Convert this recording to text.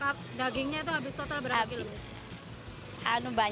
kak dagingnya itu habis total berapa kilo